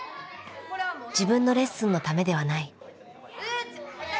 自分のレッスンのためではない。